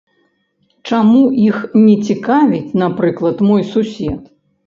Чаму іх не цікавіць, напрыклад, мой сусед?